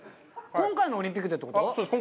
今回のオリンピックでってこと？